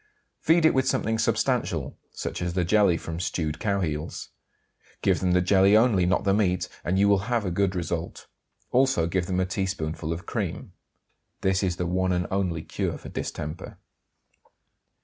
Feed it with something substantial, such as the jelly from stewed cowheels; give them the jelly only, not the meat; and you will have a good result. Also give them a teaspoonful of cream. This is the one and only cure for distemper.